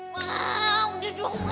mama udah dong